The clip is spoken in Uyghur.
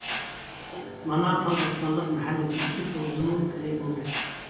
مانا تال-بوستانلىق مەھەللىدىن ئۆتۈپ بولغىلىمۇ خېلى بولدى.